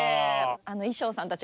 あの衣装さんたち